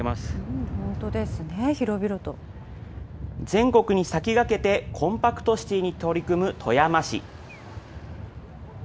全国に先駆けてコンパクトシティに取り組む富山市。